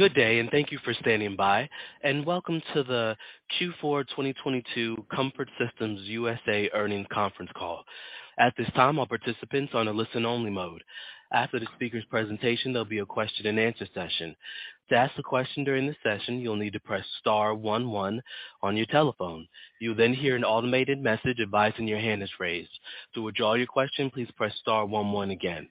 Good day, and thank you for standing by, and welcome to the Q4 2022 Comfort Systems USA earnings conference call. At this time, all participants are on a listen-only mode. After the speaker's presentation, there'll be a question-and-answer session. To ask a question during the session, you'll need to press star one one on your telephone. You'll then hear an automated message advising your hand is raised. To withdraw your question, please press star one one again.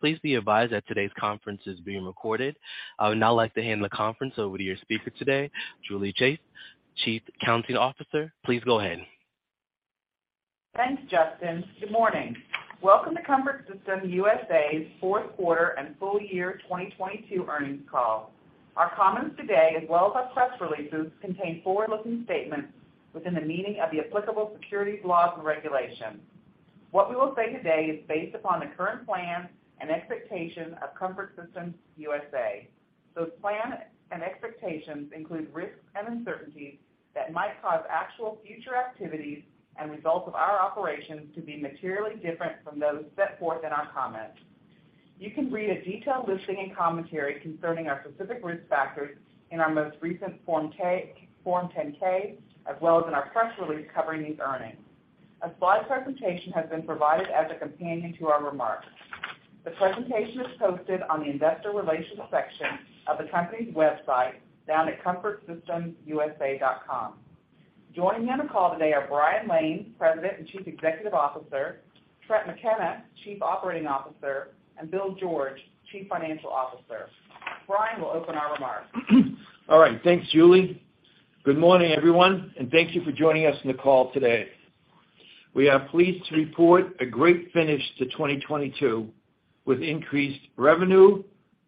Please be advised that today's conference is being recorded. I would now like to hand the conference over to your speaker today, Julie Shaeff, Chief Accounting Officer. Please go ahead. Thanks, Justin. Good morning. Welcome to Comfort Systems USA's fourth quarter and full year 2022 earnings call. Our comments today, as well as our press releases, contain forward-looking statements within the meaning of the applicable securities laws and regulations. What we will say today is based upon the current plans and expectations of Comfort Systems USA. Those plans and expectations include risks and uncertainties that might cause actual future activities and results of our operations to be materially different from those set forth in our comments. You can read a detailed listing and commentary concerning our specific risk factors in our most recent Form 10-K, as well as in our press release covering these earnings. A slide presentation has been provided as a companion to our remarks. The presentation is posted on the investor relations section of the company's website down at comfortsystemsusa.com. Joining me on the call today are Brian Lane, President and Chief Executive Officer, Trent McKenna, Chief Operating Officer, and Bill George, Chief Financial Officer. Brian will open our remarks. All right. Thanks, Julie. Good morning, everyone, and thank you for joining us on the call today. We are pleased to report a great finish to 2022 with increased revenue,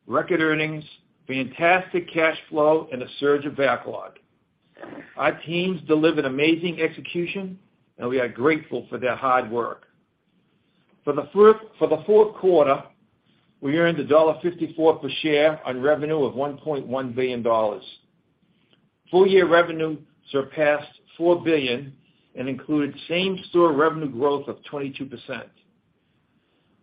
record earnings, fantastic cash flow, and a surge of backlog. Our teams delivered amazing execution, and we are grateful for their hard work. For the fourth quarter, we earned $1.54 per share on revenue of $1.1 billion. Full year revenue surpassed $4 billion and included same-store revenue growth of 22%.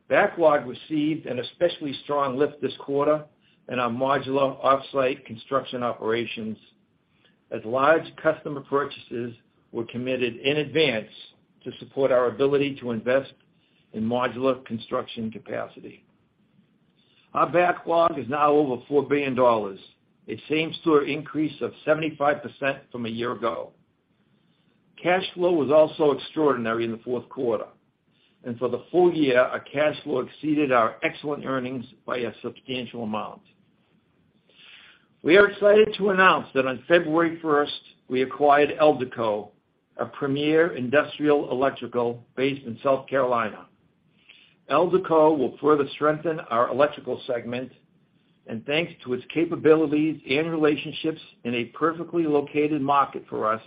Backlog received an especially strong lift this quarter in our modular off-site construction operations as large customer purchases were committed in advance to support our ability to invest in modular construction capacity. Our backlog is now over $4 billion, a same-store increase of 75% from a year ago. Cash flow was also extraordinary in the fourth quarter. For the full year, our cash flow exceeded our excellent earnings by a substantial amount. We are excited to announce that on February 1st, we acquired Eldeco, a premier industrial electrical based in South Carolina. Eldeco will further strengthen our electrical segment, and thanks to its capabilities and relationships in a perfectly located market for us,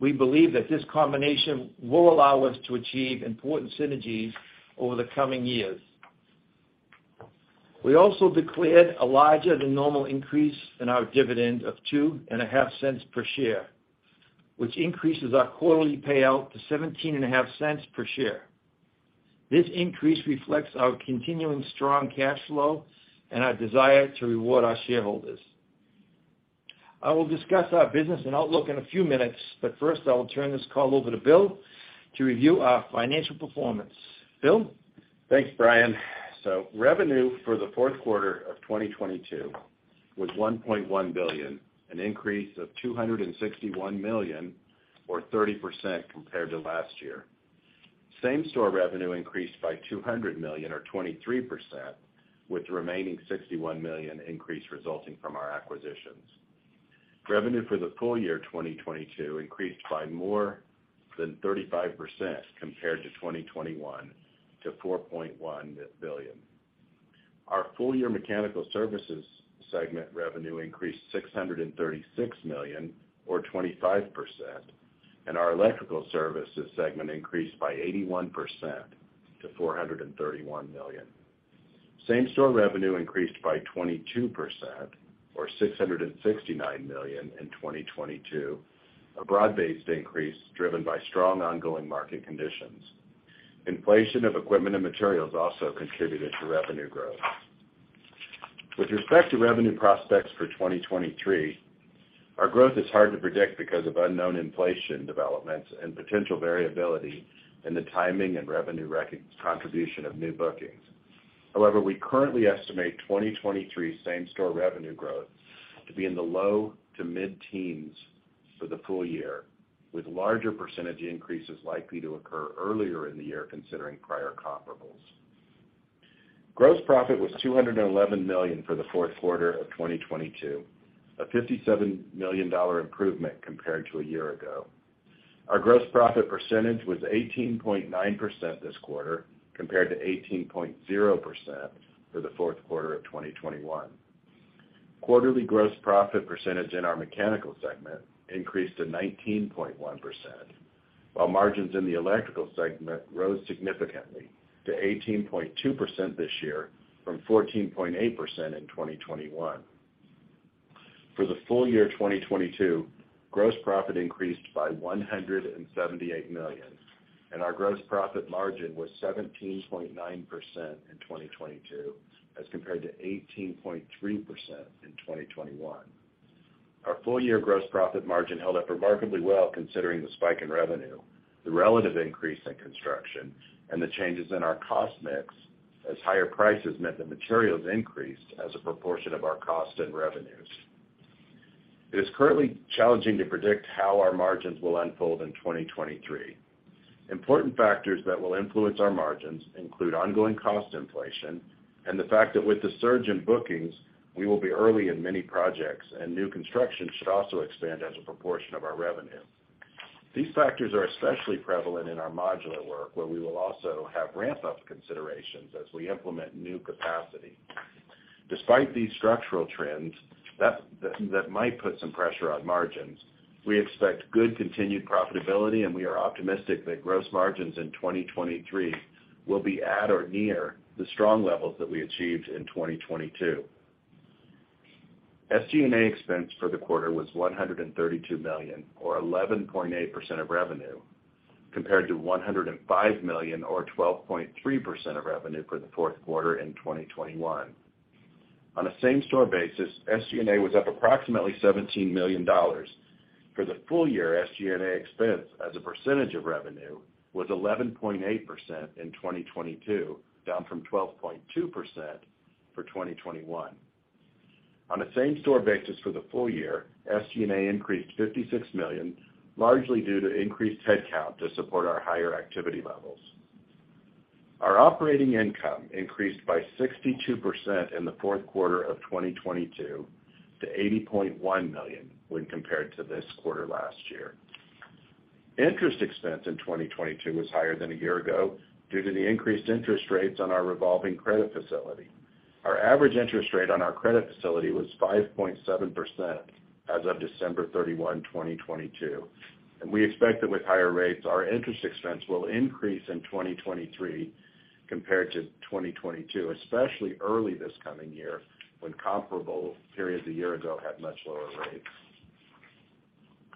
we believe that this combination will allow us to achieve important synergies over the coming years. We also declared a larger than normal increase in our dividend of $0.025 per share, which increases our quarterly payout to $0.175 per share. This increase reflects our continuing strong cash flow and our desire to reward our shareholders. I will discuss our business and outlook in a few minutes, but first, I will turn this call over to Bill to review our financial performance. Bill? Thanks, Brian. Revenue for the fourth quarter of 2022 was $1.1 billion, an increase of $261 million or 30% compared to last year. Same-store revenue increased by $200 million or 23%, with the remaining $61 million increase resulting from our acquisitions. Revenue for the full year 2022 increased by more than 35% compared to 2021 to $4.1 billion. Our full year mechanical services segment revenue increased $636 million or 25%, and our electrical services segment increased by 81% to $431 million. Same-store revenue increased by 22% or $669 million in 2022, a broad-based increase driven by strong ongoing market conditions. Inflation of equipment and materials also contributed to revenue growth. With respect to revenue prospects for 2023, our growth is hard to predict because of unknown inflation developments and potential variability in the timing and contribution of new bookings. However, we currently estimate 2023 same-store revenue growth to be in the low to mid-teens% for the full year, with larger percentage increases likely to occur earlier in the year considering prior comparables. Gross profit was $211 million for the fourth quarter of 2022, a $57 million improvement compared to a year ago. Our gross profit percentage was 18.9% this quarter, compared to 18.0% for the fourth quarter of 2021. Quarterly gross profit percentage in our mechanical segment increased to 19.1%, while margins in the electrical segment rose significantly to 18.2% this year from 14.8% in 2021. For the full year 2022, gross profit increased by $178 million. Our gross profit margin was 17.9% in 2022, as compared to 18.3% in 2021. Our full-year gross profit margin held up remarkably well, considering the spike in revenue, the relative increase in construction, and the changes in our cost mix as higher prices meant that materials increased as a proportion of our cost and revenues. It is currently challenging to predict how our margins will unfold in 2023. Important factors that will influence our margins include ongoing cost inflation and the fact that with the surge in bookings, we will be early in many projects. New construction should also expand as a proportion of our revenue. These factors are especially prevalent in our modular work, where we will also have ramp-up considerations as we implement new capacity. Despite these structural trends that might put some pressure on margins, we expect good continued profitability. We are optimistic that gross margins in 2023 will be at or near the strong levels that we achieved in 2022. SG&A expense for the quarter was $132 million, or 11.8% of revenue, compared to $105 million or 12.3% of revenue for the fourth quarter in 2021. On a same-store basis, SG&A was up approximately $17 million. For the full year, SG&A expense as a percentage of revenue was 11.8% in 2022, down from 12.2% for 2021. On a same-store basis for the full year, SG&A increased $56 million, largely due to increased headcount to support our higher activity levels. Our operating income increased by 62% in the fourth quarter of 2022 to $80.1 million when compared to this quarter last year. Interest expense in 2022 was higher than a year ago due to the increased interest rates on our revolving credit facility. Our average interest rate on our credit facility was 5.7% as of December 31, 2022, and we expect that with higher rates, our interest expense will increase in 2023 compared to 2022, especially early this coming year, when comparable periods a year ago had much lower rates.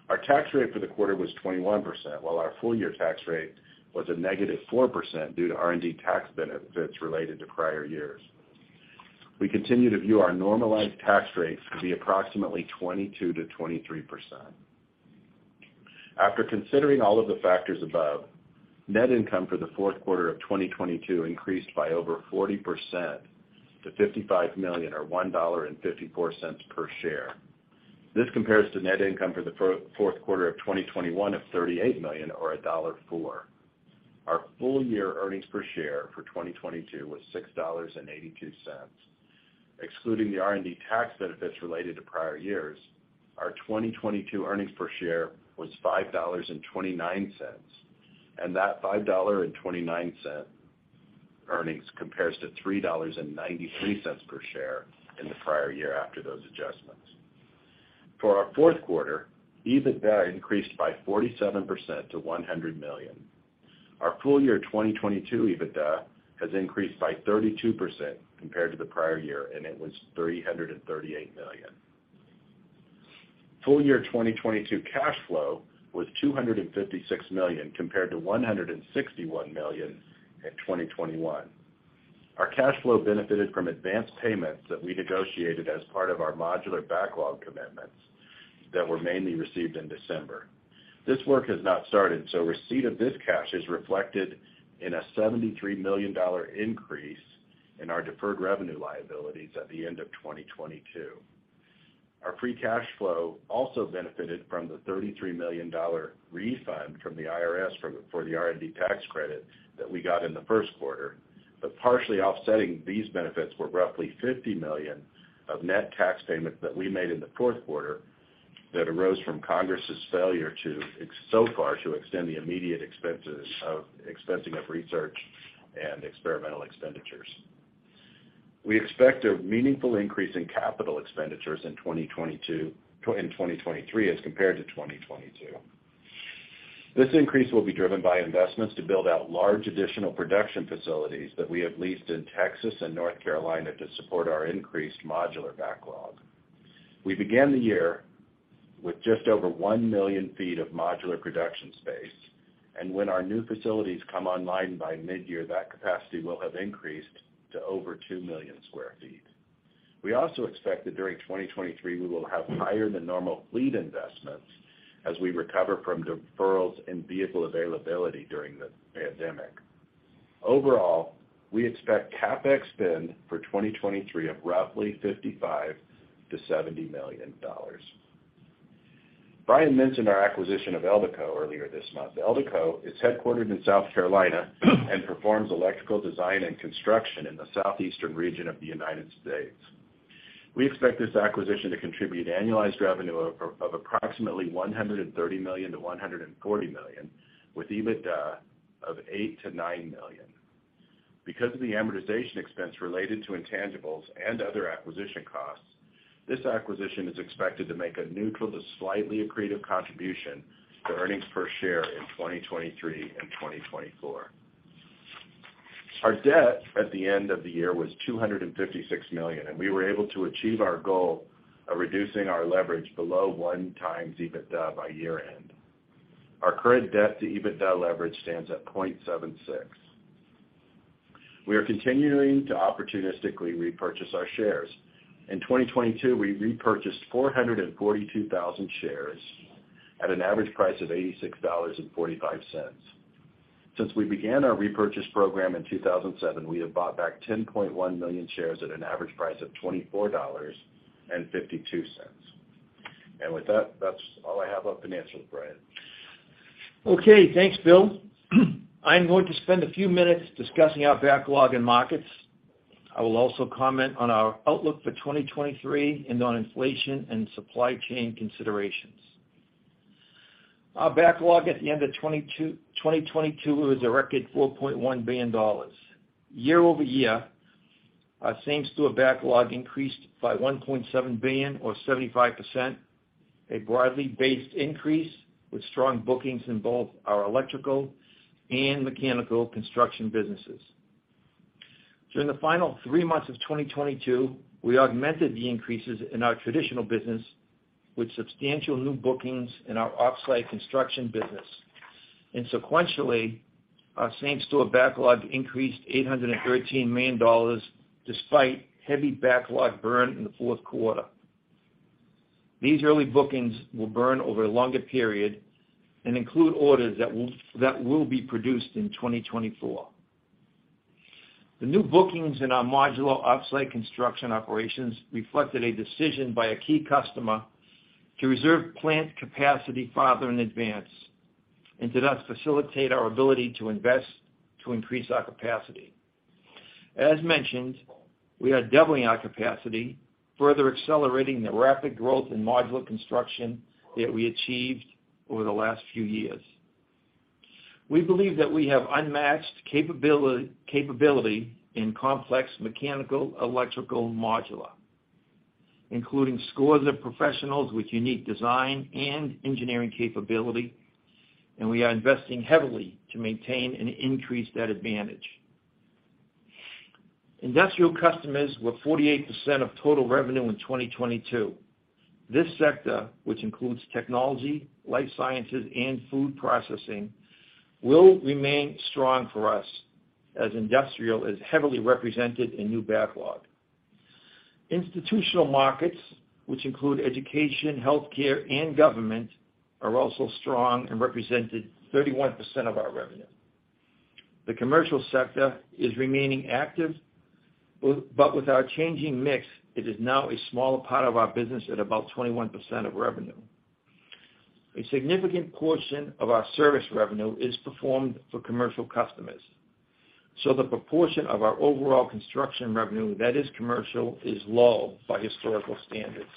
Our tax rate for the quarter was 21%, while our full-year tax rate was a negative 4% due to R&D tax benefits related to prior years. We continue to view our normalized tax rates to be approximately 22%-23%. After considering all of the factors above, net income for the fourth quarter of 2022 increased by over 40% to $55 million or $1.54 per share. This compares to net income for the fourth quarter of 2021 of $38 million or $1.04. Our full-year earnings per share for 2022 was $6.82. Excluding the R&D tax benefits related to prior years, our 2022 earnings per share was $5.29. That $5.29 earnings compares to $3.93 per share in the prior year after those adjustments. For our fourth quarter, EBITDA increased by 47% to $100 million. Our full-year 2022 EBITDA has increased by 32% compared to the prior year, and it was $338 million. Full-year 2022 cash flow was $256 million compared to $161 million in 2021. Our cash flow benefited from advanced payments that we negotiated as part of our modular backlog commitments that were mainly received in December. This work has not started. Receipt of this cash is reflected in a $73 million increase in our deferred revenue liabilities at the end of 2022. Our free cash flow also benefited from the $33 million refund from the IRS for the R&D tax credit that we got in the 1st quarter. Partially offsetting these benefits were roughly $50 million of net tax payments that we made in the fourth quarter that arose from Congress's failure so far to extend the immediate expensing of research and experimental expenditures. We expect a meaningful increase in capital expenditures in 2023 as compared to 2022. This increase will be driven by investments to build out large additional production facilities that we have leased in Texas and North Carolina to support our increased modular backlog. We began the year with just over 1 million feet of modular production space, and when our new facilities come online by mid-year, that capacity will have increased to over 2 million sq ft. We also expect that during 2023, we will have higher than normal fleet investments as we recover from deferrals in vehicle availability during the pandemic. Overall, we expect CapEx spend for 2023 of roughly $55 million-$70 million. Brian mentioned our acquisition of Eldeco earlier this month. Eldeco is headquartered in South Carolina and performs electrical design and construction in the southeastern region of the United States. We expect this acquisition to contribute annualized revenue of approximately $130 million-$140 million, with EBITDA of $8 million-$9 million. Because of the amortization expense related to intangibles and other acquisition costs, this acquisition is expected to make a neutral to slightly accretive contribution to earnings per share in 2023 and 2024. Our debt at the end of the year was $256 million, and we were able to achieve our goal of reducing our leverage below 1x EBITDA by year-end. Our current debt to EBITDA leverage stands at 0.76. We are continuing to opportunistically repurchase our shares. In 2022, we repurchased 442,000 shares at an average price of $86.45. Since we began our repurchase program in 2007, we have bought back 10.1 million shares at an average price of $24.52. With that's all I have on financials, Brian. Okay, thanks, Bill. I'm going to spend a few minutes discussing our backlog and markets. I will also comment on our outlook for 2023 and on inflation and supply chain considerations. Our backlog at the end of 2022 was a record $4.1 billion. Year-over-year, our same-store backlog increased by $1.7 billion or 75%, a broadly based increase with strong bookings in both our electrical and mechanical construction businesses. During the final three months of 2022, we augmented the increases in our traditional business with substantial new bookings in our off-site construction business. Sequentially, our same-store backlog increased $813 million despite heavy backlog burn in the fourth quarter. These early bookings will burn over a longer period and include orders that will be produced in 2024. The new bookings in our modular off-site construction operations reflected a decision by a key customer to reserve plant capacity farther in advance and to thus facilitate our ability to invest to increase our capacity. As mentioned, we are doubling our capacity, further accelerating the rapid growth in modular construction that we achieved over the last few years. We believe that we have unmatched capability in complex mechanical electrical modular, including scores of professionals with unique design and engineering capability. We are investing heavily to maintain and increase that advantage. Industrial customers were 48% of total revenue in 2022. This sector, which includes technology, life sciences, and food processing, will remain strong for us as industrial is heavily represented in new backlog. Institutional markets, which include education, healthcare, and government, are also strong and represented 31% of our revenue. The commercial sector is remaining active, but with our changing mix, it is now a smaller part of our business at about 21% of revenue. A significant portion of our service revenue is performed for commercial customers, The proportion of our overall construction revenue that is commercial is low by historical standards.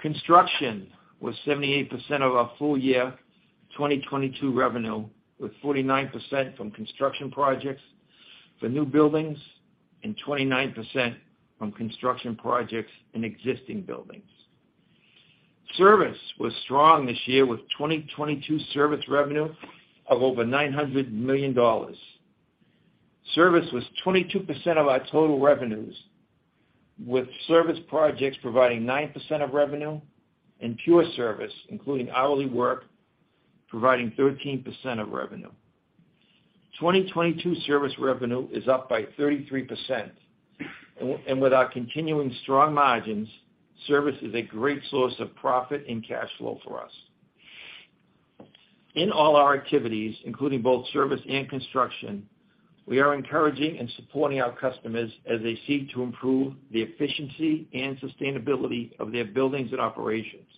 Construction was 78% of our full year 2022 revenue, with 49% from construction projects for new buildings and 29% from construction projects in existing buildings. Service was strong this year with 2022 service revenue of over $900 million. Service was 22% of our total revenues, with service projects providing 9% of revenue and pure service, including hourly work, providing 13% of revenue. 2022 service revenue is up by 33%. With our continuing strong margins, service is a great source of profit and cash flow for us. In all our activities, including both service and construction, we are encouraging and supporting our customers as they seek to improve the efficiency and sustainability of their buildings and operations,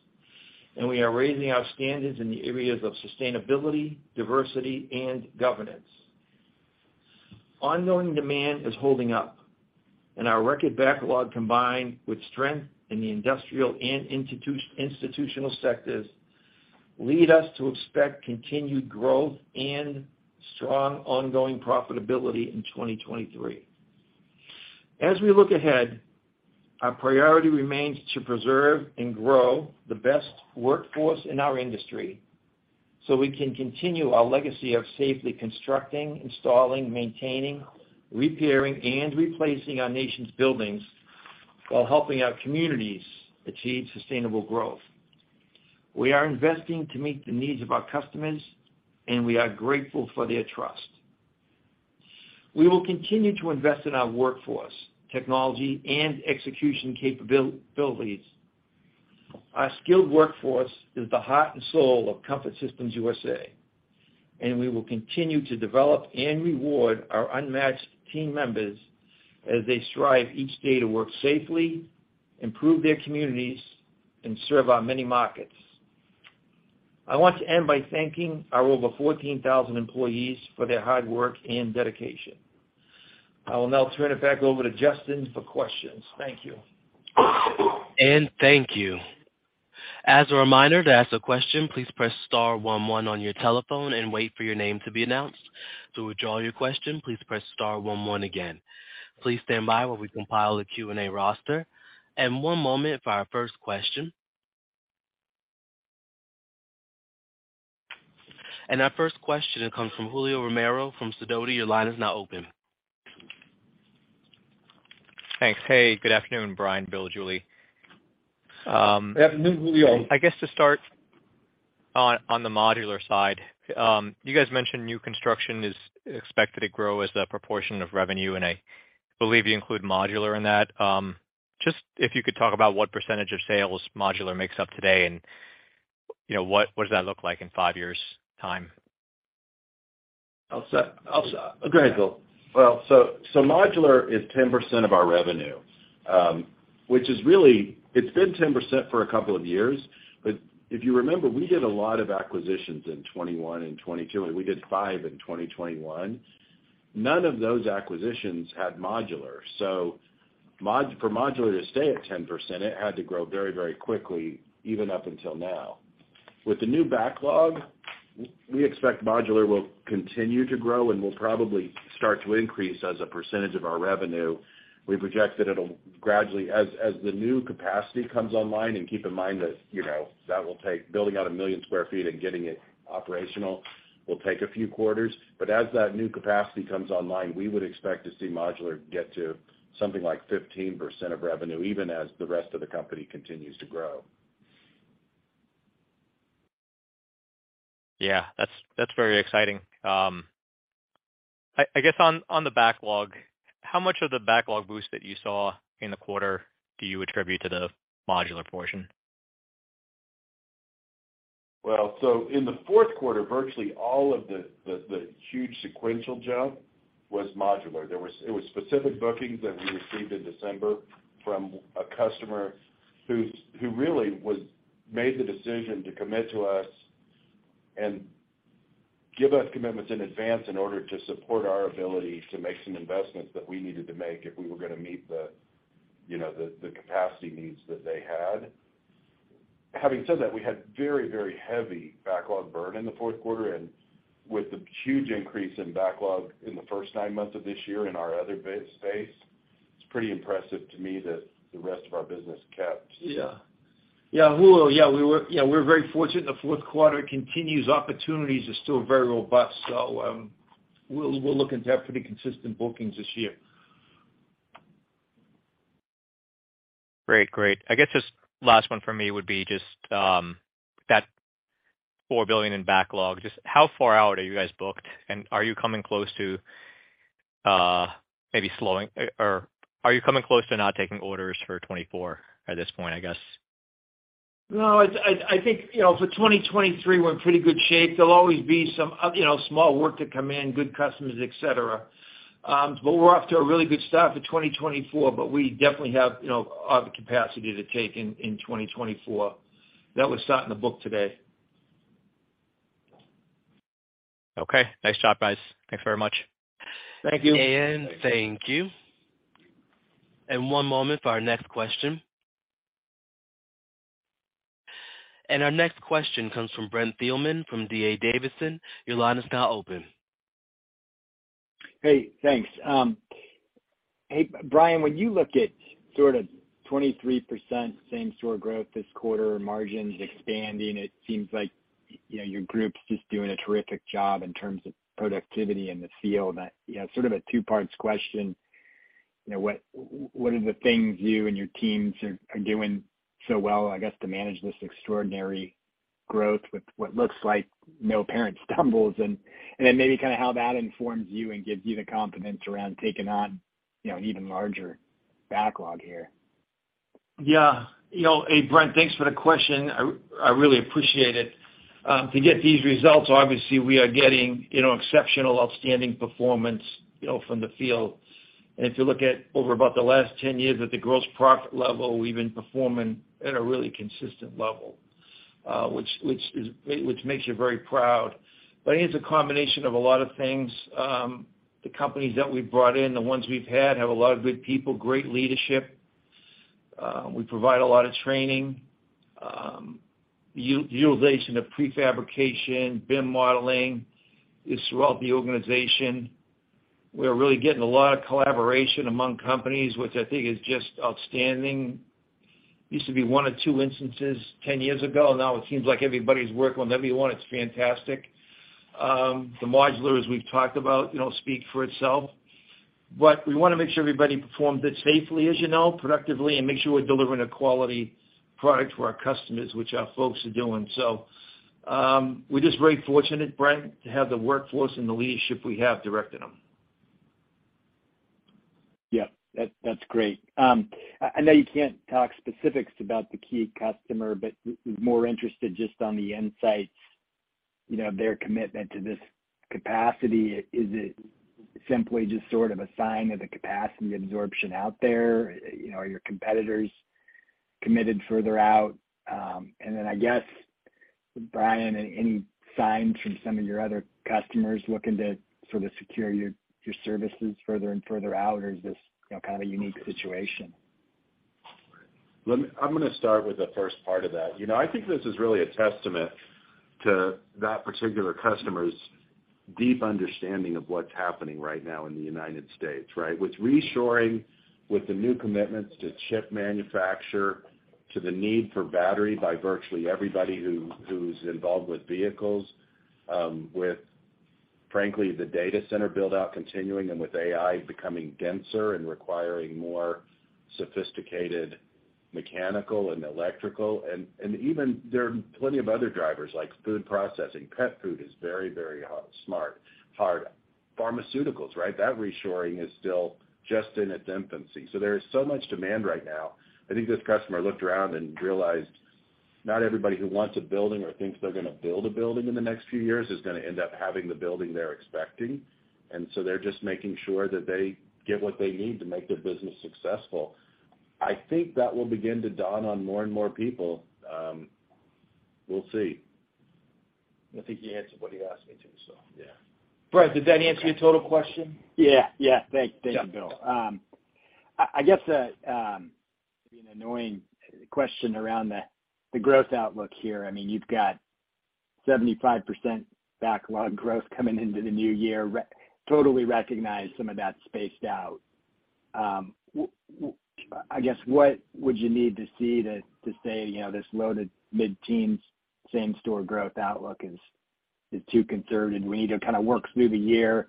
we are raising our standards in the areas of sustainability, diversity, and governance. Ongoing demand is holding up, our record backlog, combined with strength in the industrial and institutional sectors, lead us to expect continued growth and strong ongoing profitability in 2023. As we look ahead, our priority remains to preserve and grow the best workforce in our industry so we can continue our legacy of safely constructing, installing, maintaining, repairing, and replacing our nation's buildings while helping our communities achieve sustainable growth. We are investing to meet the needs of our customers, and we are grateful for their trust. We will continue to invest in our workforce, technology, and execution capabilities. Our skilled workforce is the heart and soul of Comfort Systems USA, and we will continue to develop and reward our unmatched team members as they strive each day to work safely, improve their communities, and serve our many markets. I want to end by thanking our over 14,000 employees for their hard work and dedication. I will now turn it back over to Justin for questions. Thank you. Thank you. As a reminder, to ask a question, please press star one one on your telephone and wait for your name to be announced. To withdraw your question, please press star one one again. Please stand by while we compile a Q&A roster. One moment for our first question. Our first question comes from Julio Romero from Sidoti. Your line is now open. Thanks. Hey, good afternoon, Brian, Bill, Julie. Afternoon, Julio. I guess to start on the modular side. You guys mentioned new construction is expected to grow as the proportion of revenue, and I believe you include modular in that. Just if you could talk about what percentage of sales modular makes up today and, you know, what does that look like in five years' time? I'll start. Go ahead, Bill. Modular is 10% of our revenue. It's been 10% for a couple of years. If you remember, we did a lot of acquisitions in 2021 and 2022, and we did five in 2021. None of those acquisitions had modular. For modular to stay at 10%, it had to grow very, very quickly, even up until now. With the new backlog, we expect modular will continue to grow and will probably start to increase as a percentage of our revenue. We project that it'll gradually as the new capacity comes online. Keep in mind that, you know, that will take building out 1 million sq ft and getting it operational will take a few quarters. As that new capacity comes online, we would expect to see modular get to something like 15% of revenue, even as the rest of the company continues to grow. Yeah, that's very exciting. I guess on the backlog, how much of the backlog boost that you saw in the quarter do you attribute to the modular portion? In the fourth quarter, virtually all of the huge sequential jump was modular. It was specific bookings that we received in December from a customer who really made the decision to commit to us and give us commitments in advance in order to support our ability to make some investments that we needed to make if we were gonna meet the, you know, capacity needs that they had. Having said that, we had very heavy backlog burn in the fourth quarter, and with the huge increase in backlog in the first nine months of this year in our other space, it's pretty impressive to me that the rest of our business kept. Yeah, Julio, yeah, we were, you know, we're very fortunate the fourth quarter continues. Opportunities are still very robust. We'll look into have pretty consistent bookings this year. Great. I guess just last one for me would be, that $4 billion in backlog, just how far out are you guys booked? Are you coming close to maybe slowing or are you coming close to not taking orders for 2024 at this point, I guess? No, I think, you know, for 2023, we're in pretty good shape. There'll always be some, you know, small work to come in, good customers, et cetera. We're off to a really good start for 2024, but we definitely have, you know, the capacity to take in 2024. That was sat in the book today. Okay. Nice job, guys. Thanks very much. Thank you. Thank you. One moment for our next question. Our next question comes from Brent Thielman from D.A. Davidson. Your line is now open. Hey, thanks. Hey, Brian, when you look at sort of 23% same store growth this quarter, margins expanding, it seems like, you know, your group's just doing a terrific job in terms of productivity in the field. I, you know, sort of a two parts question. You know, what are the things you and your teams are doing so well, I guess, to manage this extraordinary growth with what looks like no apparent stumbles? Then maybe kind of how that informs you and gives you the confidence around taking on, you know, an even larger backlog here. Yeah. You know, hey, Brent, thanks for the question. I really appreciate it. To get these results, obviously, we are getting, you know, exceptional, outstanding performance, you know, from the field. If you look at over about the last 10 years at the gross profit level, we've been performing at a really consistent level, which makes you very proud. I think it's a combination of a lot of things. The companies that we've brought in, the ones we've had, have a lot of good people, great leadership. We provide a lot of training. Utilization of prefabrication, BIM modeling is throughout the organization. We're really getting a lot of collaboration among companies, which I think is just outstanding. Used to be 1 or 2 instances 10 years ago, now it seems like everybody's working with everyone. It's fantastic. The modular, as we've talked about, you know, speak for itself. We wanna make sure everybody performs it safely, as you know, productively, and make sure we're delivering a quality product to our customers, which our folks are doing. We're just very fortunate, Brent, to have the workforce and the leadership we have directing them. Yeah. That's great. I know you can't talk specifics about the key customer, but was more interested just on the insights, you know, their commitment to this capacity. Is it simply just sort of a sign of the capacity absorption out there? You know, are your competitors committed further out? I guess, Brian, any signs from some of your other customers looking to sort of secure your services further and further out? Or is this, you know, kind of a unique situation? I'm gonna start with the first part of that. You know, I think this is really a testament to that particular customer's deep understanding of what's happening right now in the United States, right? With reshoring, with the new commitments to chip manufacturer, to the need for battery by virtually everybody who's involved with vehicles, with frankly, the data center build-out continuing and with AI becoming denser and requiring more sophisticated mechanical and electrical. Even there are plenty of other drivers like food processing. Pet food is very smart. Hard pharmaceuticals, right? That reshoring is still just in its infancy. There is so much demand right now. I think this customer looked around and realized not everybody who wants a building or thinks they're gonna build a building in the next few years is gonna end up having the building they're expecting. They're just making sure that they get what they need to make their business successful. I think that will begin to dawn on more and more people, we'll see. I think he answered what he asked me to. Yeah. Brent, did that answer your total question? Yeah. Thank you, Bill. I guess, maybe an annoying question around the growth outlook here. I mean, you've got 75% backlog growth coming into the new year. Totally recognize some of that's spaced out. I guess, what would you need to see to say, you know, this loaded mid-teens same-store growth outlook is too conservative, we need to kind of work through the year,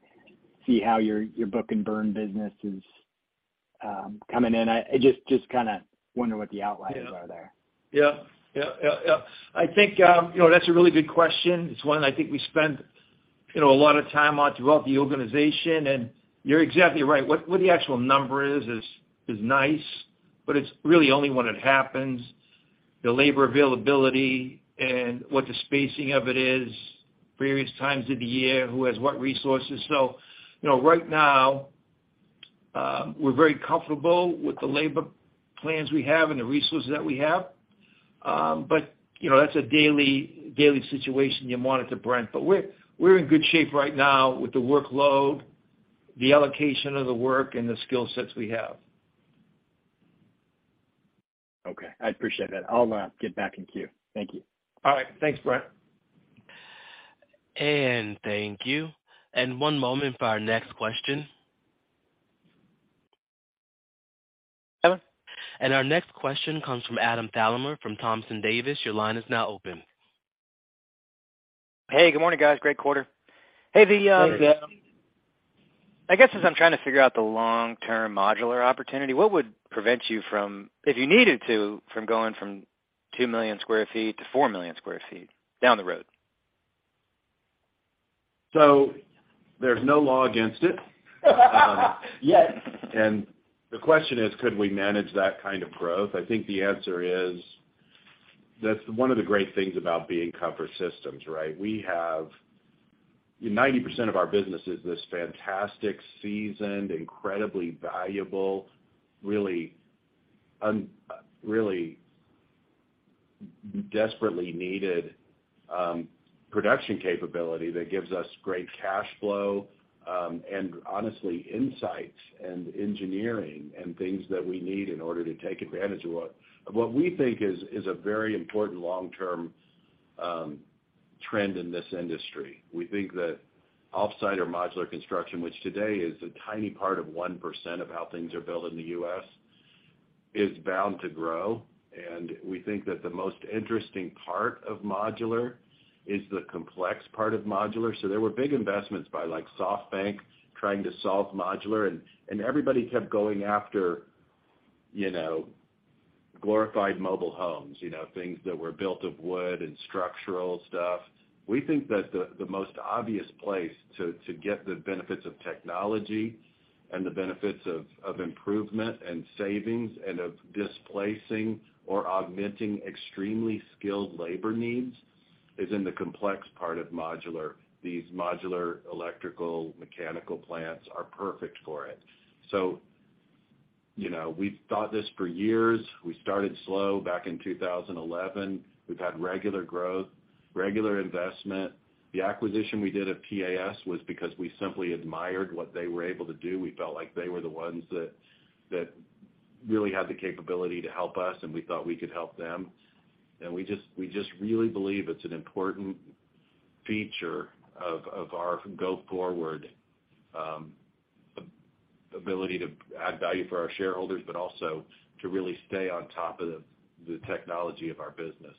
see how your book and burn business is coming in. I just kinda wonder what the outliers are there. Yeah. I think, you know, that's a really good question. It's one I think we spend, you know, a lot of time on throughout the organization, and you're exactly right. What, what the actual number is, is nice, but it's really only when it happens, the labor availability and what the spacing of it is various times of the year, who has what resources. You know, right now, we're very comfortable with the labor plans we have and the resources that we have. You know, that's a daily situation you monitor, Brent. We're in good shape right now with the workload, the allocation of the work, and the skill sets we have. Okay. I appreciate that. I'll get back in queue. Thank you. All right. Thanks, Brent. Thank you. One moment for our next question. Our next question comes from Adam Thalhimer from Thompson Davis. Your line is now open. Hey, good morning, guys. Great quarter. Good morning. I guess, as I'm trying to figure out the long-term modular opportunity, what would prevent you from, if you needed to, from going from 2 million sq ft to 4 million sq ft down the road? There's no law against it. Yet. The question is, could we manage that kind of growth? I think the answer is that's one of the great things about being Comfort Systems, right? 90% of our business is this fantastic, seasoned, incredibly valuable, really desperately needed production capability that gives us great cash flow, and honestly, insights and engineering and things that we need in order to take advantage of what, of what we think is a very important long-term trend in this industry. We think that offsite or modular construction, which today is a tiny part of 1% of how things are built in the U.S., is bound to grow. We think that the most interesting part of modular is the complex part of modular. There were big investments by, like, SoftBank trying to solve modular, and everybody kept going after, you know, glorified mobile homes, you know, things that were built of wood and structural stuff. We think that the most obvious place to get the benefits of technology and the benefits of improvement and savings and of displacing or augmenting extremely skilled labor needs is in the complex part of modular. These modular electrical mechanical plants are perfect for it. You know, we've thought this for years. We started slow back in 2011. We've had regular growth, regular investment. The acquisition we did at PAS was because we simply admired what they were able to do. We felt like they were the ones that really had the capability to help us, and we thought we could help them. We just really believe it's an important feature of our go forward, ability to add value for our shareholders, but also to really stay on top of the technology of our business.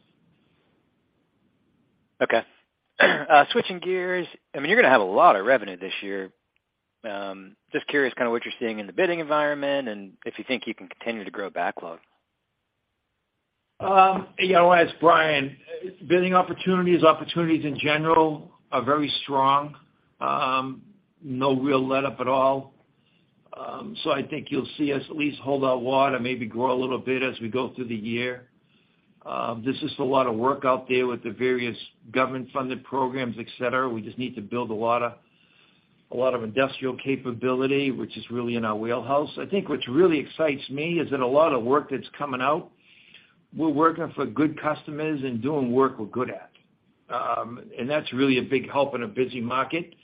Okay. switching gears, I mean, you're gonna have a lot of revenue this year. just curious kinda what you're seeing in the bidding environment and if you think you can continue to grow backlog. You know, as Brian, bidding opportunities in general are very strong. No real letup at all. I think you'll see us at least hold our water, maybe grow a little bit as we go through the year. There's just a lot of work out there with the various government-funded programs, et cetera. We just need to build a lot of industrial capability, which is really in our wheelhouse. I think what really excites me is that a lot of work that's coming out, we're working for good customers and doing work we're good at. That's really a big help in a busy market.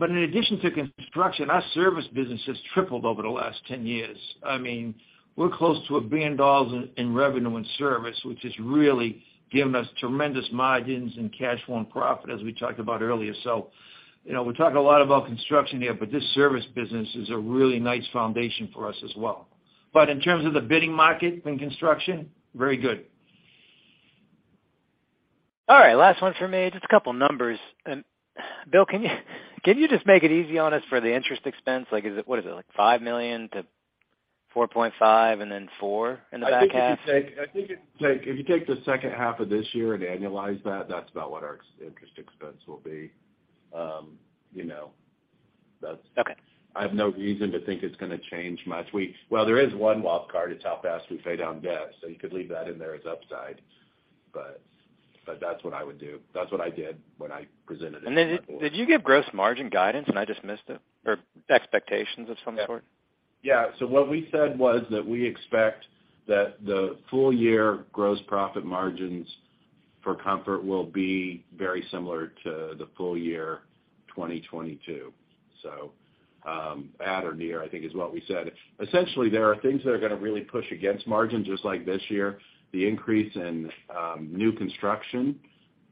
In addition to construction, our service business has tripled over the last 10 years. I mean, we're close to $1 billion in revenue and service, which has really given us tremendous margins and cash flow and profit, as we talked about earlier. You know, we talk a lot about construction here, but this service business is a really nice foundation for us as well. In terms of the bidding market in construction, very good. All right, last one for me, just a couple numbers. Bill, can you just make it easy on us for the interest expense? Like, what is it, like $5 million to $4.5 million and then $4 million in the back half? I think if you take the second half of this year and annualize that's about what our ex- interest expense will be, you know, that's. Okay. I have no reason to think it's gonna change much. Well, there is one wildcard. It's how fast we pay down debt, so you could leave that in there as upside. That's what I would do. That's what I did when I presented it to our board. Did you give gross margin guidance and I just missed it? Or expectations of some sort? What we said was that we expect that the full year gross profit margins for Comfort will be very similar to the full year 2022. At or near, I think is what we said. Essentially, there are things that are gonna really push against margins, just like this year. The increase in new construction.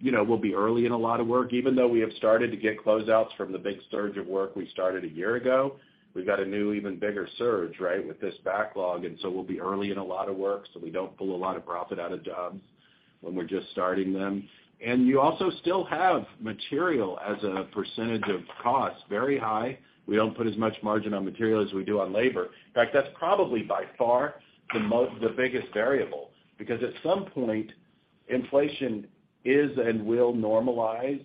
You know, we'll be early in a lot of work. Even though we have started to get closeouts from the big surge of work we started a year ago, we've got a new, even bigger surge, right, with this backlog. We'll be early in a lot of work, so we don't pull a lot of profit out of jobs when we're just starting them. You also still have material as a % of cost, very high. We don't put as much margin on material as we do on labor. In fact, that's probably by far the biggest variable because at some point, inflation is and will normalize.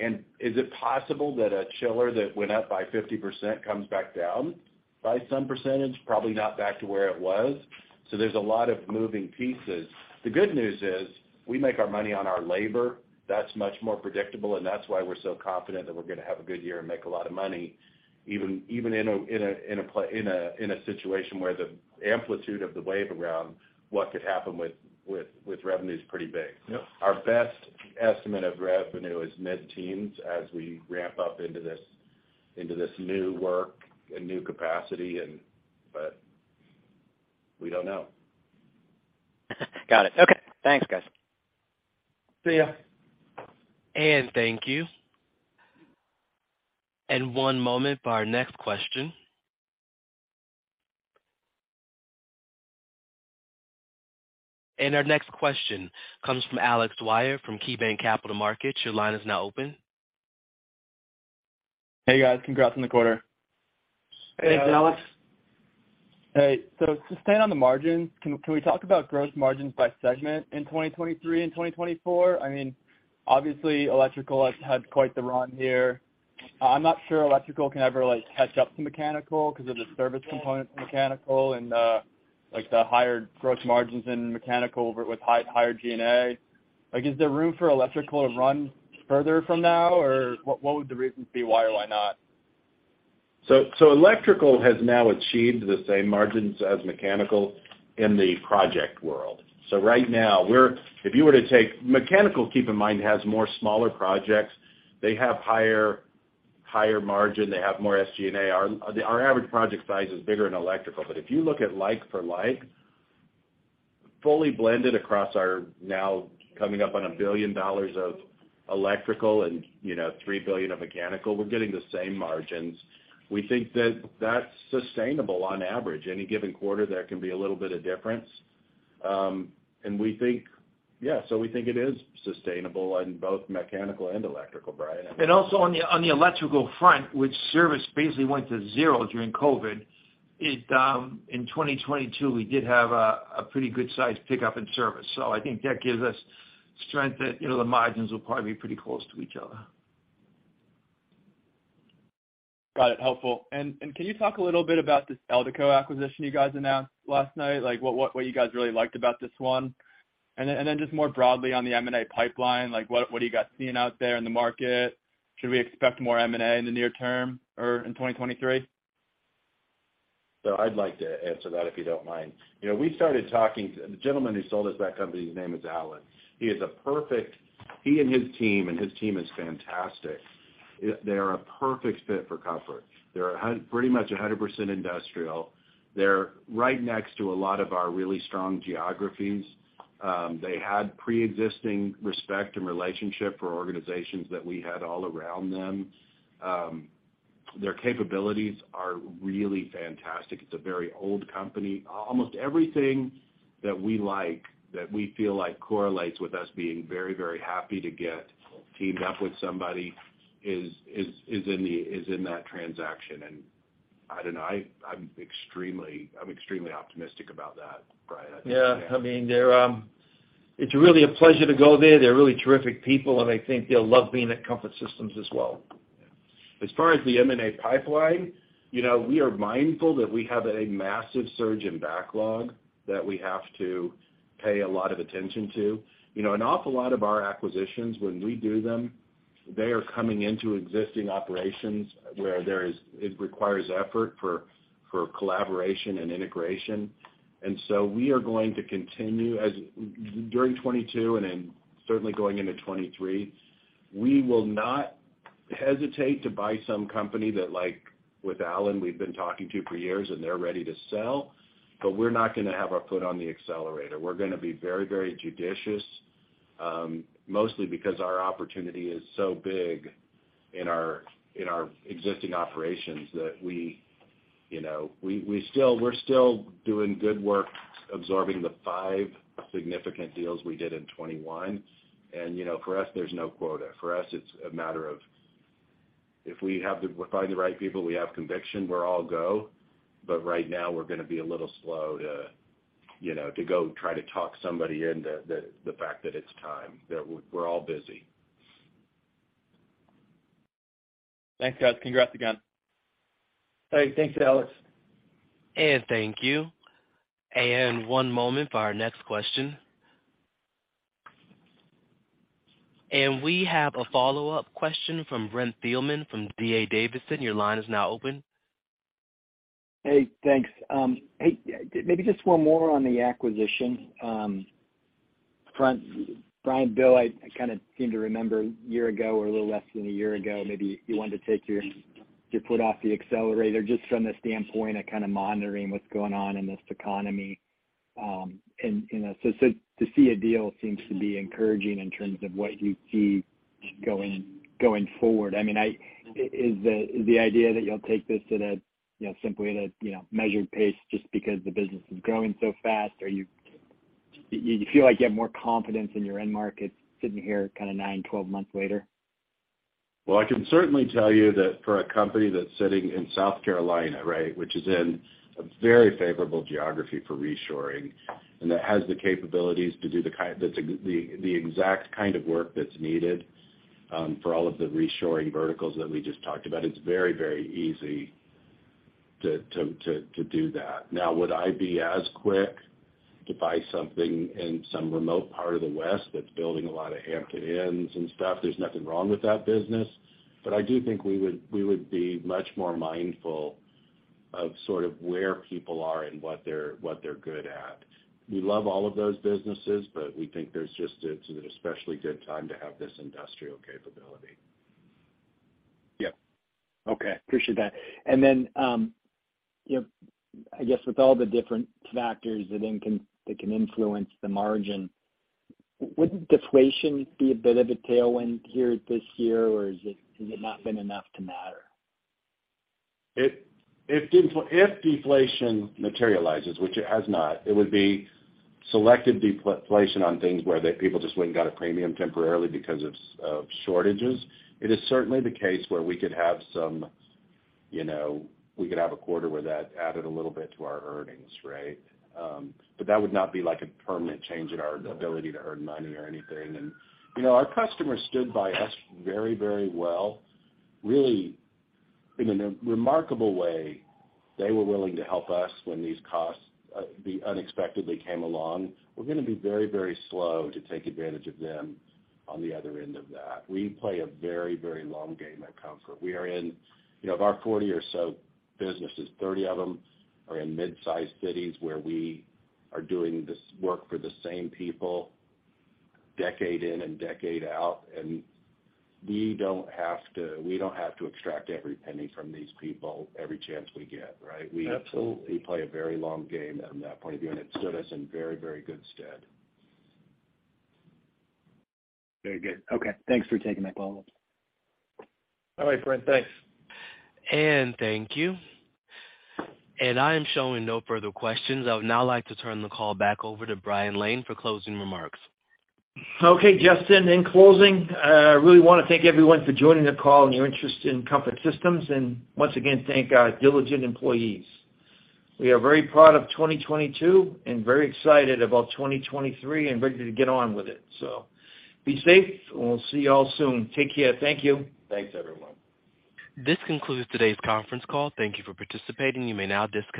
Is it possible that a chiller that went up by 50% comes back down by some %? Probably not back to where it was. There's a lot of moving pieces. The good news is we make our money on our labor. That's much more predictable, and that's why we're so confident that we're gonna have a good year and make a lot of money, even in a situation where the amplitude of the wave around what could happen with revenue is pretty big. Yep. Our best estimate of revenue is mid-teens as we ramp up into this, into this new work and new capacity. We don't know. Got it. Okay. Thanks, guys. See ya. Thank you. One moment for our next question. Our next question comes from Alex Dwyer from KeyBanc Capital Markets. Your line is now open. Hey, guys. Congrats on the quarter. Thanks, Alex. Just staying on the margins, can we talk about gross margins by segment in 2023 and 2024? Obviously electrical has had quite the run here. I'm not sure electrical can ever, like, catch up to mechanical because of the service component to mechanical and like the higher gross margins in mechanical with higher G&A. Like, is there room for electrical to run further from now, or what would the reasons be why or why not? Electrical has now achieved the same margins as mechanical in the project world. Right now, if you were to take... Mechanical, keep in mind, has more smaller projects. They have higher margin. They have more SG&A. Our average project size is bigger in electrical. If you look at like for like, fully blended across our now coming up on $1 billion of electrical and, you know, $3 billion of mechanical, we're getting the same margins. We think that that's sustainable on average. Any given quarter, there can be a little bit of difference. We think it is sustainable in both mechanical and electrical, Brian. Also on the electrical front, which service basically went to zero during COVID, in 2022, we did have a pretty good sized pickup in service. I think that gives us strength that, you know, the margins will probably be pretty close to each other. Got it. Helpful. Can you talk a little bit about this Eldeco acquisition you guys announced last night? Like what you guys really liked about this one? Then just more broadly on the M&A pipeline, like what do you got seeing out there in the market? Should we expect more M&A in the near term or in 2023? I'd like to answer that, if you don't mind. You know, we started talking... The gentleman who sold us that company, his name is Allen. He and his team is fantastic. They are a perfect fit for Comfort. They're pretty much 100% industrial. They're right next to a lot of our really strong geographies. They had preexisting respect and relationship for organizations that we had all around them. Their capabilities are really fantastic. It's a very old company. Almost everything that we like, that we feel like correlates with us being very, very happy to get teamed up with somebody is in that transaction. I don't know, I'm extremely optimistic about that, Brian. Yeah. I mean, they're, it's really a pleasure to go there. They're really terrific people, and I think they'll love being at Comfort Systems as well. As far as the M&A pipeline, you know, we are mindful that we have a massive surge in backlog that we have to pay a lot of attention to. You know, an awful lot of our acquisitions, when we do them, they are coming into existing operations where it requires effort for collaboration and integration. we are going to continue. During 2022 and certainly going into 2023, we will not hesitate to buy some company that, like with Allen, we've been talking to for years and they're ready to sell, but we're not gonna have our foot on the accelerator. We're gonna be very judicious, mostly because our opportunity is so big in our existing operations that we, you know, we're still doing good work absorbing the five significant deals we did in 2021. You know, for us, there's no quota. For us, it's a matter of if we find the right people, we have conviction, we're all go. Right now we're gonna be a little slow to, you know, to go try to talk somebody into the fact that it's time. We're all busy. Thanks, guys. Congrats again. All right. Thank you, Alex. Thank you. One moment for our next question. We have a follow-up question from Brent Thielman from D.A. Davidson. Your line is now open. Hey, thanks. Hey, maybe just one more on the acquisition. Brian Lane, Bill George, I kinda seem to remember a year ago or a little less than a year ago, maybe you wanted to take your foot off the accelerator just from the standpoint of kinda monitoring what's going on in this economy. You know, so to see a deal seems to be encouraging in terms of what you see going forward. I mean, Is the idea that you'll take this at a, you know, simply at a, you know, measured pace just because the business is growing so fast? Do you feel like you have more confidence in your end markets sitting here kinda nine, 12 months later? I can certainly tell you that for a company that's sitting in South Carolina, right, which is in a very favorable geography for reshoring, and that has the capabilities to do the exact kind of work that's needed for all of the reshoring verticals that we just talked about, it's very easy to do that. Would I be as quick to buy something in some remote part of the West that's building a lot of Hampton Inn and stuff? There's nothing wrong with that business. I do think we would be much more mindful of sort of where people are and what they're good at. We love all of those businesses, but we think it's an especially good time to have this industrial capability. Yeah. Okay. Appreciate that. Then, you know, I guess with all the different factors that can influence the margin, wouldn't deflation be a bit of a tailwind here this year, or has it not been enough to matter? If deflation materializes, which it has not, it would be selected deflation on things where people just went and got a premium temporarily because of shortages. It is certainly the case where we could have some, you know, we could have a quarter where that added a little bit to our earnings, right? But that would not be like a permanent change in our ability to earn money or anything. You know, our customers stood by us very, very well. Really in a remarkable way, they were willing to help us when these costs unexpectedly came along. We're gonna be very, very slow to take advantage of them on the other end of that. We play a very, very long game at Comfort. We are in... You know, of our 40 or so businesses, 30 of them are in mid-sized cities where we are doing this work for the same people decade in and decade out, we don't have to extract every penny from these people every chance we get, right? Absolutely. We absolutely play a very long game from that point of view, and it stood us in very, very good stead. Very good. Okay. Thanks for taking my call. All right, Brent. Thanks. Thank you. I am showing no further questions. I would now like to turn the call back over to Brian Lane for closing remarks. Justin, in closing, I really wanna thank everyone for joining the call and your interest in Comfort Systems, and once again, thank our diligent employees. We are very proud of 2022 and very excited about 2023 and ready to get on with it. Be safe, and we'll see you all soon. Take care. Thank you. Thanks, everyone. This concludes today's conference call. Thank you for participating. You may now disconnect.